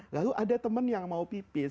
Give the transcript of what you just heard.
lalu ada teman yang mau pipis